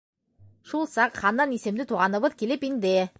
Шул саҡ Ханнан исемле туғаныбыҙ килеп инде.